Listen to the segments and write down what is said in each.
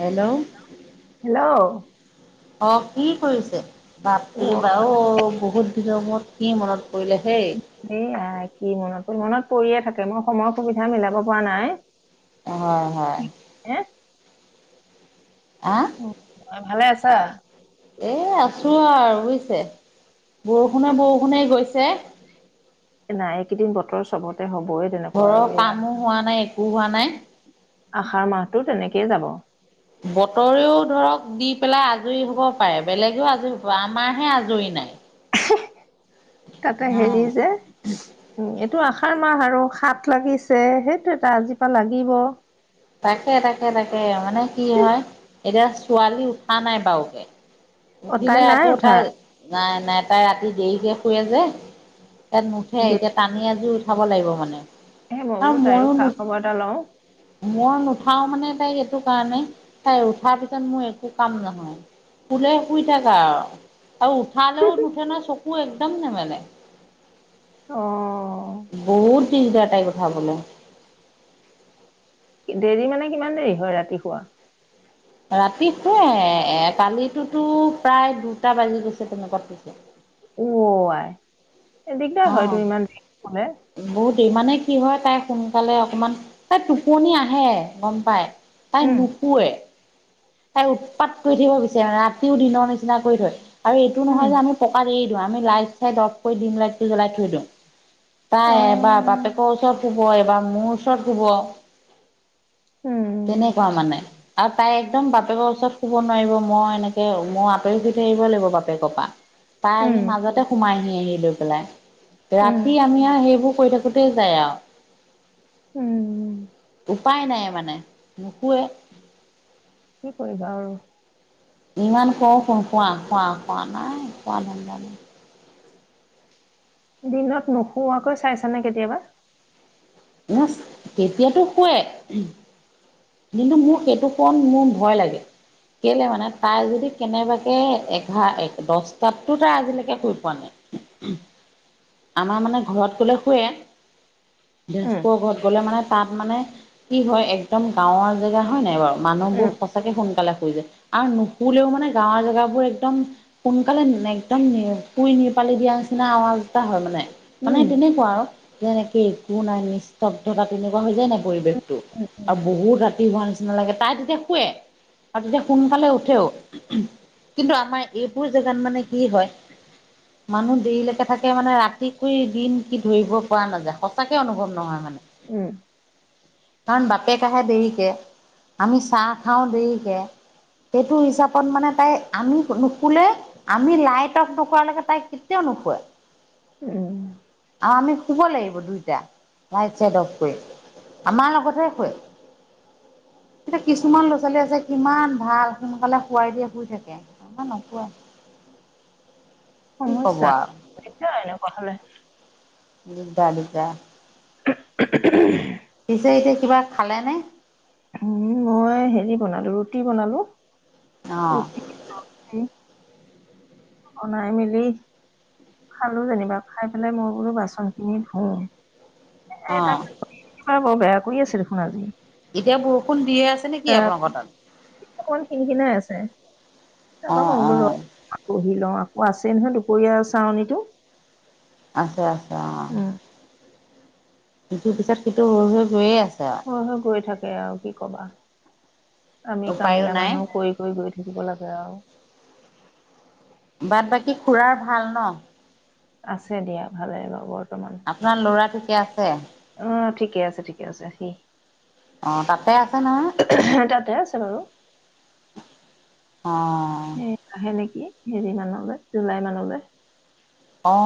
Hello! Hello? অ'! কি কৰিছে? বাপৰে বা অ'! বহুত বহুত দিনৰ মোৰত কি মনত পৰিলে হেই। এ, আই কি মনত মনত পৰিয়ে থাকে! মই সময় সুবিধা মিলাব পৰা নাই। অ'! হয়। হে আহ [unintelligible] ভালে আছ ছা এ আছো আৰু বুজিছে বৰষুণে বৰষুণে গৈছে। নাই এইকেইদিন বতৰ চবতে হ'ব ঘৰৰ কামো হোৱা নাই একো হোৱা নাই। আহাৰ মাহটো তেনেকেই যাব। বতৰেও ধৰক দি পেলাই আজৰি হ'ব পাৰে, বেলেগেও আজৰি হ'ব পাৰে, আমাৰহে আজৰি নাই। তাতে উম। হেৰি যে, উ [unintelligible] এইটো আসাৰ মাহ আৰু সাত লাগিছে সেইটো এটা আজি পৰা লাগিব। তাকে তাকে তাকে মানে কি হয় এতিয়া ছোৱালী উঠা নাই বাৰুকে অ' তাই উঠিলে নাই আকৌ উঠা তাই নাই নাই তাই ৰাতি দেৰিকে শুৱে যে। তাত নুঠে এতিয়া টানি আনি [unintelligible] উঠাব লাগিব মানে। দেহে মই আৰু বোলো তাইৰো ময়ো খা নুঠ খবৰ এটা লওঁ। - মইও নুঠাও মানে সেই সেইটো কাৰণে তাই উঠাৰ পিছত মোৰ একো কাম নহয়। বুলে শুই থাক আৰু। আৰু উঠালেও নুঠে নহয় চক চকু একদম নেমেলে। অ' বহুত [unintelligible] বলে দেৰি মানে কিমান দেৰি হয় ৰাতি শোৱা? ৰাতি শুৱে এ কালিতোতো প্ৰায় দুটা বাজি গৈছে তেনেকোৱাত শুইছে। অ' আই। এ দিগদাৰ হয় তো ইমান দেৰিকে শুলে। বহুতেই মানে কি হয় তাই সোনকালে অকমান তাই টোপনি আহে গম পাই তাই উম, নুপোৱে তাই উৎপাত কৰি থাকিব বিচাৰে মানে ৰাতিও দিনৰ নিচিনা কৰি থয়। আৰু এইটো উম। নহয় যে আমি পকাত এই আমি লাইট চাইট অফ কৰি ডিম লাইটটো জ্বলাই থৈ দিওঁ। অ', তাই এবাৰ বাপেকৰ ওচৰত শুব শুব এবাৰ মোৰ ওচৰত শুব। উম, তেনেকোৱা মানে। আৰু তাই একদম বাপেকৰ ওচৰত শুব নোৱাৰিব মই এনেকে মই আঁতৰি শুই থাকিবই লাগিব বাপেকৰ পৰা। তাই আহি উম, মাজতে সোমাই আহি লৈ পেলাই। উম, ৰাতি আমি আৰু সেইবোৰ কৈ থাকোতে যায় আৰু। উম। উপাই নাই মানে নুশোৱে কি কৰিবা আৰু। ইমান কওঁ শুোন হোৱা-হোৱা-হোৱা নাই হোৱা ধান্দা নাই। দিনত নোহোৱাকৈ চাইছ নে কেতিয়াবা? ন তেতিয়াতো শুৱে। কিন্তু মোৰ সেইটো কোন মোৰ ভয় লাগে কেলে মানে তাই যদি কেনেবাকে এঘাৰ দহটাততো তাই আজিলৈকে শুই পোৱা নাই আমাৰ মানে ঘৰত কলে শুুৱে। উম, তেজপুৰ ঘৰত গ'লে মানে তাত মানে কি হয় একদম গাঁৱৰ জেগা হয় নাই বাৰু। উম, মানুহবোৰ সঁচাকে সোনকালে শুই যায়। আৰু নুশলেও মানে গাঁৱৰ জেগাবোৰ একদম সোনকালে একদম শুই নিপালি দিয়া নিচিনা আৱাজ এটা হয় মানে। উম, মানে তেনেকুৱা আৰু। যেনেকে একো নাই নিস্তব্ধতা তেনেকুৱা হৈ যায় নাই। পৰিৱেশটো। উম, বহুত ৰাতি শুৱা নিচিনা লাগে, তাই তেতিয়া শুৱে। আৰু তেতিয়া সোনকালে উঠেও। কিন্তু আমাৰ এইবোৰ ান মানে কি হয়। মানুহ দেৰিলৈকে থাকে মানে ৰাতিক দিন কি ধৰিব পৰা নাযায় সঁচাকে অনুভৱ নহয় মানে। উম। কাৰণ বাট একে কষে দেৰিকে। আমি চাহ খাও দেৰিকে। সেইটো হিচাপত মানে তাই আমি নুশুলে আমি লাইত অফ নকৰালৈকে তাই কেতিয়াও নুশুৱে। উম, আৰু আমি শুব লাগিব দুইটা চেট অফ কৰি। আমাৰ লগতহে শুৱে। এতিয়া কিছুমান ল'ৰা ছোৱালী আছে কিমান ভাল সোনকালে হোৱাই দিয়ে শুই থাকে। আমাৰ নুশুৱে। কি ক'ব সমস্যা আৰু [unintelligible] এনেকুৱা হলে। দিগদাৰ-দিগদাৰ। [unintelligible] পিছে এতিয়া কিবা খালে নে? উম মই হেৰি বনালো ৰুটি বনালো। অ [inaudible] বনাই মিলি খালো যেনিবা খাই পেলাই মই বোৰ বাচনখিনি ধুওঁ। এ অ টাত অহ বয়াকৰি আছে দেখোন আজি। এতিয়া বৰষুণ দিয়ে আছে নেকি আপোনালোকৰ তাত অকমান খিনিখিনাই আছে অ তাপা ম [unintelligible] অ অহ আকৌ আছে নহয় দুপৰীয়া আছে চাওঁযিতো। আছে- আছে অ। সটো পিছত সন্তু হৈ- হৈ গৈয়ে আছে। আৰু হয় -হয় গৈ থাকে আৰু কি কবা। আমি উপায়ো কামিলা নাই মানুহ কৰি- কৰি গৈ থাকিব লাগে আৰু। বাট বাকী খুৰাৰ ভাল ন। আছে দিয়া ভালে বৰ। আপোনাৰ ল'ৰাটো। আছে। অ ঠিকে আছে ঠিকে আছে সি। অ তাতে আছে নহয়। হেল্লও'। অ এ সেনেকে। হেৰি মানলৈ জুলাই মানলৈ। অ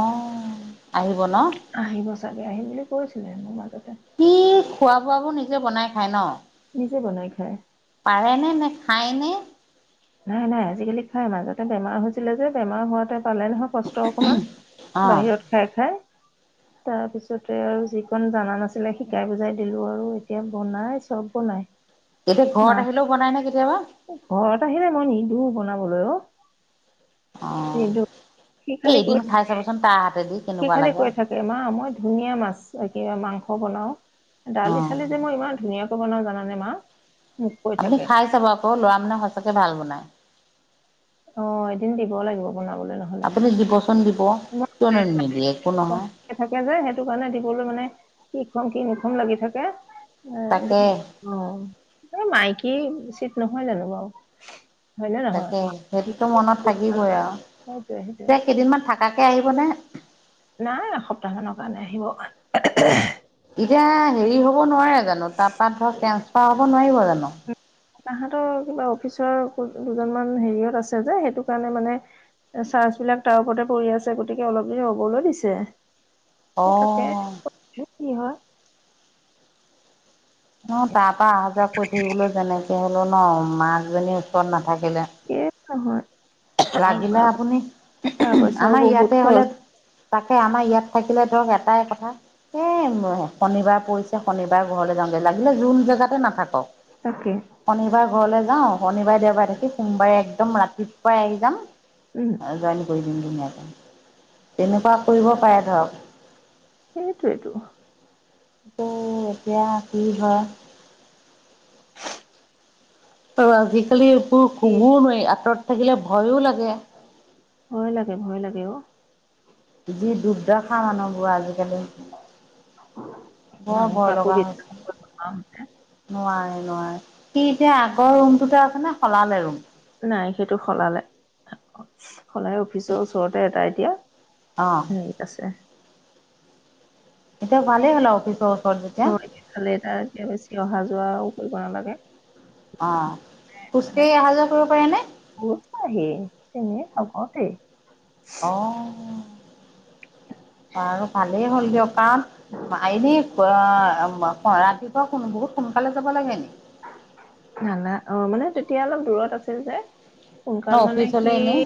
আহি। বন। আহিব চাগে আহিম বুলি কৈছিলেনো মাজত। কি। খোৱা বোৱাবোৰ নিজে বনাই খায় ন। নিজে বনাই খায়। খাইনে। নাই -নাই আজিকালি খাই মাজতে বেমাৰ হৈছিলে যে বেমাৰ হোৱাতে। পালে নহয় কষ্ট অকমান অ বাহিৰত খাই -খাই। তাৰপিছতে আৰু যিকণ জাননা নাছিলে শিকাই বুজাই দিলো আৰু এতিয়া বনাই চব বনাই। এতিয়া মাহ ঘৰত আহিলেও বনাই ন কেতিয়াবা। ন নি দু বনাবলৈ অ। অ নিদো এ এদিন খাই চাবচোন তাৰ হাতেদি। সেই কেনেকুৱা খালে লাগে কৈ থাকে মা মই ধুনীয়া মাছ। কিবা মাংস বনাও। অ ডালি চালি যে মই ইমান ধুনীয়া। বনাও জানে মা। মোক কৈ আপুনি থাকে খাই চাব আকৌ লৰা মানুহে সঁচাকে ভাল বনায়। অ এদিন দিব লাগিব। বনাবলৈ নহলে আপুনি জীৱচুন। থাকে যায় সেইটো কাৰণে দিবলৈ মানে কি খোৱাং কি নুখুৱাং লাগি থাকে তাকে অঁ এই মাইকী। উচিত নহয় জানো বাৰু হয়নে নহয় তাকে সেইটোতো মনত থাকিবই আৰু সেইটোৱে সেইটোৱে এতিয়া কেইদিনমান থাক। থকাকে আহিব নে নাই এসপ্তাহ মানৰ কাৰণে আহিব এতিয়া হেৰি হ নোৱাৰে জানো তাৰপৰা ধৰক ট্ৰেন্সফাৰ হ'ব নোৱাৰিব জানো জানোঁ। তাহতৰ কিবা অফিচৰ দুজন মান হেৰিয়ত আছে যে সেইটো কাৰণে মানে চাৰ্জ বিলাক তাৰ ওপৰতে পৰি আছে গতিকে অলপ দেৰি ৰবলৈ দিছে সেই তাকে অ', কি হয়। ন তাৰপা অহা যোৱা কৰি থাকিবলৈ যেনেকে হলেও ন মাকজনীৰ ওচৰত নাছিল এই নহয়। আৰু লাগিলে টকা আপুনি পইচাও আমাৰ বহুত ইয়াতে হলে। খৰচ তাকে আমাৰ ইয়াত থাকিলে ধৰক এটাই কথা এ শনিবাৰ পৰিছে শনিবাৰ ঘৰলৈ যাওঁগৈ লাগিলে যোন জেগাতে নাথাকক। তাকে। শনিবাৰ ঘৰলৈ যাওঁ শনিবাৰে দেওবাৰে থাকি সোমবাৰে একদম ৰাতি পুৱাই আহি যাম উম অঁ জইন কৰি দিম ধুনীয়াকে তেনেকুৱা কৰিব পাৰে ধৰক। সেইটোৱেটো। এইটো এতিয়া কি হয়। আৰু আজিকালি এইবোৰ কি কবও নোৱাৰি আঁতৰত। থাকিলে ভয়ো লাগে। ভয় লাগে ভয় লাগে অঁ। যিত। দোষ দেখা মানুহবোৰ আজিকালি বৰ মানুহ ভয় কাকো লগা বিশ্বাস হৈছে কৰিব নোৱাৰা হৈছে নোৱাৰ। ন সি এতিয়া আগৰ ৰুমটোতে আছে নে শলালে ৰুম। নাই সেইটো সলালে। সলাই অফিচৰ ওচৰতে এটা এতিয়া অ হেৰিত আছে এতিয়া ভালে হ'ল অফিচত অঁ এফালে তাৰ এতিয়া বেছি অহা যোৱাওঁ কৰিব নালাগে। অঁ খোজ কাঢ়ি অহা যোৱা কৰিব পাৰে নে আহে তেনে চবতে অ বাৰু ভালেই হ'ল দিয়ক কাৰণ আইনে অ ৰাতিপুৱা শোনন বহুত সোনকালে য লাগে নেকি? নানা অ মানে তেতিয়া অলপ দূৰত আছিল যে ন সোনকাল মানে সি অফিচলৈ এনেই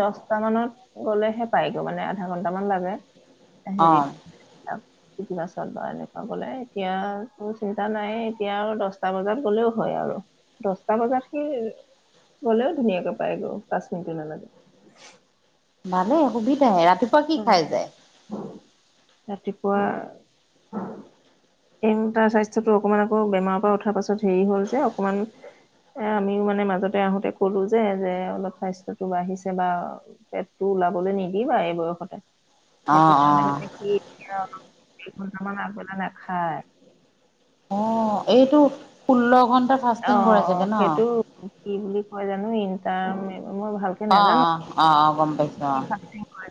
দশটা মানত গলেহে পায় মানে আধা ঘন্টা মান লাগে। হেৰি অঁ কিবাচল বা এনেকুৱা বলে এতিয়াতো চিন্তা নাই এতিয়া আৰু দহ দচটা বজাত গলেও হয় আৰু দচটা বজাত সি গ'লেও ধুনীয়াকে পায় গ পাঁচ মিনিটো নালাগে ভালে সুবিধ আহে ৰা উ ৰাতিপুৱা। এই তাৰ স্বাস্থ্যতো অকমান আকৌ বেমাৰৰ পৰা উঠাৰ পাছত হেৰি হ'ল যে অকমান এ আমিও মানে মাজতে আহোতে কলো যে যে অলপ স্বাস্থ্যতটো বাঢ়িছে বা পেটটো ওলাবলৈ নিদিবা এই বয়স। ক সেইটো অঁ কাৰণে অঁ মানে কি এ স তা মানে আগ বেলা নাখায় অ এইটো ষোল্ল ঘন্টা অ অ সেইটো কি বুলি হয়জানো ইটা আ অ অ অ অ গম পাইছোঁ কি অ ভাগ কয়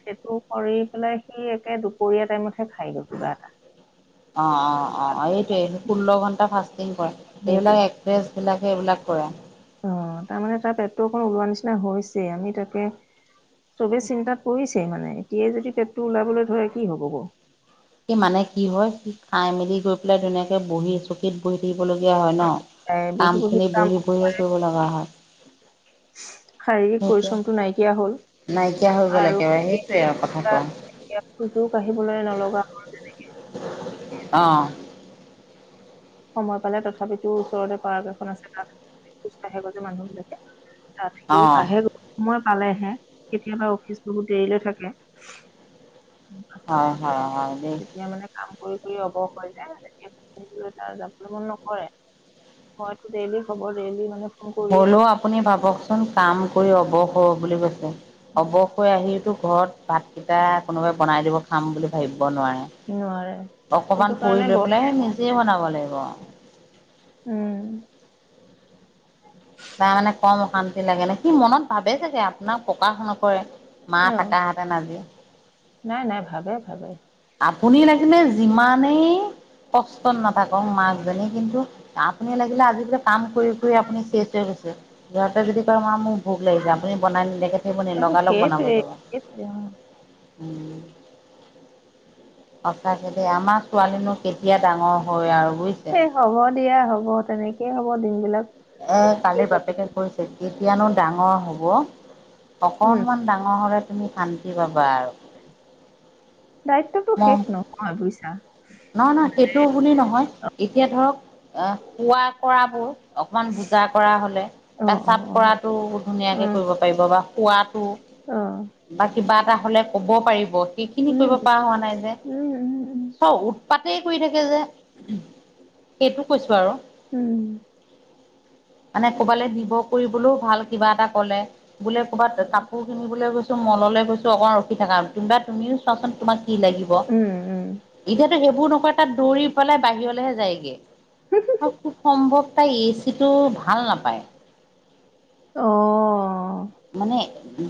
সেইটো কৰি পেলাই সি একে দুপৰীয়া টাইমতহে খাই গে কিবা এটা অ অ অ এইটোয়ে ষোল্ল ঘণ্টা ফ সেইটো এইবিলাক এক্ট্ৰেছ বিলাক সেইবিলাক কৰা অ তাৰমানে তাৰ পেটটো অক ওলোৱা নিচিনা হৈছে আমি তাকে চবে চিন্তা কৰিছে মানে এতিয়াই যদি পেটটো ওলাবলৈ ধৰে কি হব বাৰু স মানে কি হয় সি খাই মেলি গৈ পেলাই ধুনীয়াকে বহি চকীত বহি থাকি ল হয় ন এ কাম বহি খিনি কাম বহি বঢহিয়ে কৰিব লগা হয় হয় শাৰীৰিক পৰিশ্ৰমটো সেইটোৱে নাইকিয়া হল নাইকিয়া হৈ গ'ল আৰু একেবাৰে সেইটোৱে আৰু কথাটো সুযোগ আহিবলৈ নলগা হল তেনেকে আহঁ সময় পালে তথি তথাপিতো ওচৰতে পাৰ্ক এখন আছে। খোজ কঢ়ে যে মানুহ বিলাকে তাত সিও অ', আহেগৈ। মই পালেহে, কেতিয়াবা অফিচ বহুত দেৰিলৈ থাকে। পাঁচটা হয়, ছটা হয়, হয় দেই। তেতিয়া মানে কাম কৰি কৰিৰি অবস হৈ যায়। তেতিয়া ফুৰিবলে যাবলৈ মন নকৰে। হয়তো ডেইলি খবৰ ডেইলি মানে ফোন কৰিয়ে হ'লেও আপুনি ভাবকচোন কাম কৰি অব হ বুলি কৈছে। অৱশ হৈ আহিয়ো তো ঘৰত ভাতকেইটা কোনোবাই বনাই দিব খাম বুলি ভাবিব নোৱাৰে। থাকিব নোৱাৰে সেইটো অকমান কাৰণে ফুৰি লৈ বৰ পেলাই নিজে বনাব [unintelligible] উম! তাৰ মানে, কম অশান্তি লাগে নে কি। সি মনত ভাবে চাগে আপোনাক প্ৰকাশ নকৰে। মা অ থাকাহেঁতেন আজি নাই, নাই, ভাবে, ভাবে। আপুনি লাগিলে যিমানেই, কষ্টত নাথাকক মাকজনী কিন্তু, আপুনি লাগিলে আজি বোলে কাম কৰি, কৰি আপনি চেছ হৈ গৈছে। সিহঁতে যদি কৰে [unintelligible] ভোক লাগিছে! আপুনি বনাই নিদিয়াকে থাকিব নি? আৰু লগালগ বনাব সেইটোৱে যাব। সেইটোৱে অ [unintelligible] সঁচাকে আমাৰ ছোৱালীনো কেতিয়া ডাঙৰ হয় আৰু। বুজিছে। এ, হ'ব দিয়া হ'ব হ'ব তেনেকে হ'ব দিন বিলাক। এ, কালিৰ বাপেকে কৈছে, গীত কিয়নো ডাঙৰ হ'ব! উম অকনমান ডাঙৰ হ'লে তুমি শান্তি পাবা আৰু। দায়িত্বটো মই শেষ নহয় বুজিছা। নহয়, নহয় সেইটো বুলি নহয়, এতিয়া ধৰক এ, কোৱা, কৰা [unintelligible] অকমান বুজা কৰা হ'লে, অ এ, অ চাপ অ কৰাটো ধুনীয়াকে কৰিব পাৰিব বা কোৱাতো আহ'! হ'লে ক'ব পাৰিব। সেই খিনি কৰিব পৰা হোৱা নাই যে। উম উম উম পাতে কৰি থাকে যে। এটো কৈছো আৰু। উম। মানে কবালৈ নিভ কৰিবলৈও ভাল কিবা এটা কলে, বোলে ক'ৰবাত কাপোৰ কিনিবলৈ গৈছো মললৈ গৈছো অকমান ৰখি থাকা। কোনোবাই তুমিও চোৱাচোন তুমি কি লাগিব। উম উম যাতু সেইবোৰ নকয় তাত দৌৰি পেলাই বাহিৰলৈহে যায়গে। খুব সম্ভৱ তাই এ চি টো ভাল নাপায়। অহ। মানে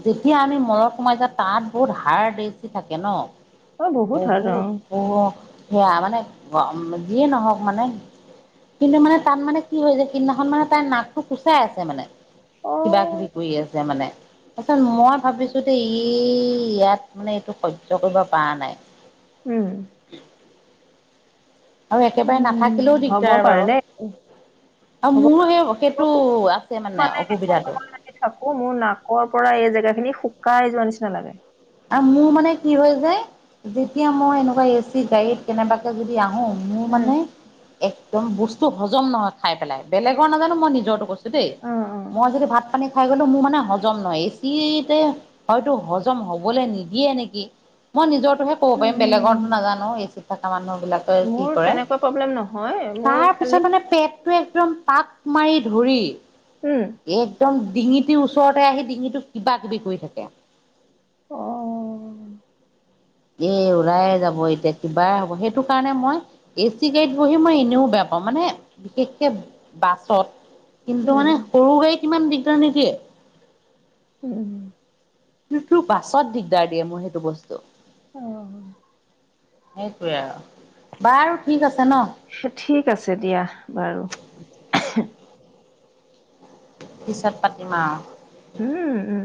যেতিয়া আমি মৰৰত সোমাই যাওঁ তাত বহুত হাড়দ এছি থাকে ন? অ হাৰ্ড অ বহুত অহ সেয়া মানে গ যিয়ে নহওক মানে কিন্তু মানে তাত মানে কি হৈ যাই কেইদিনাখন মানে তাইৰ নাকটো কুচাই আছে মানে। অ কিবা-কিবি কৰি আ ছে মানে তাৰছত মই ভাবিছো দেই ই ইয়াত মানে এইটো হৈয্য কৰিব পৰা নাই। উম। আৰু একেবাৰে উম নাথাকিলেও হ'ব দিগদাৰ পাৰে বাৰু। দেই আও হ'ব পাৰে। মোৰো সেই সেইটো মোৰ আছে মানে বেছি অসুবিধাটো। সময় যদি থাকো কাউ জোৱা নিচনালাগে। আৰু মোৰ মানে কি হয় যে, যেতিয়া মই এনেকুৱা এচি গাড়ীত কেনেবা কে যদি আহো, মোৰ উম মানে। একদম বস্তু হজম নহয় খাই পেলাই বেলেগৰ নাজানো মই নিজৰতো কৈছো। ত দেই। অ অ মই যদি ভাত পানী খাই গলে মোৰ মানে হজম নহয়। এচিতে হয়তো হজম হ'ব বলে নিদিয়ে নেকি? মই নিজৰ টোহে ক'ব উম পাৰিম উম বেলেগতো নাজানো। থাকা মানহ বিলাকে কি মোৰ কৰে। তেনেকুৱা প্ৰব্লেম নহয় মোৰ তাৰ খালি পিছত মানে পেটতোৱে একদম পাক মাৰি ধৰি উম একদম ডিঙিটো ওচৰতে আহি ডিঙিটোক কিবা কিবি কৰি থাকে। অ এ ওলাই যাব এতিয়া কিবা হ'ব সেইটো টো কাৰণে মই এ চি গাড়ীত বহি মই এনেও বেয়া পাওঁ মানে বিশেষকে বাছত। কিন্তু মানে উম সৰু গাইত ইমান দিগদাৰ নিদিয়ে। উম। সেটো বাছত দিগদাৰ দিয়ে মোৰ সেইটো বস্তু। অহ। সেইটোৱে আৰু বাৰু ঠিক আছে ন ঠিক আছে দিয়া বাৰু পিছত পাতিম আও উম উম